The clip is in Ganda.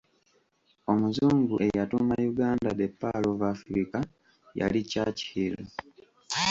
Omuzungu eyatuuma Uganda ‘The Pearl of Africa’ yali ChurchHill.